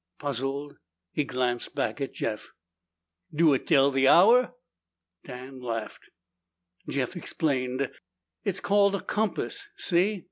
Puzzled, he glanced back at Jeff. "Do it tell the hour?" Dan laughed. Jeff explained. "It's called a compass. See?